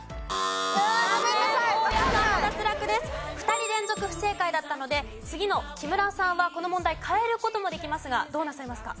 ２人連続不正解だったので次の木村さんはこの問題変える事もできますがどうなさいますか？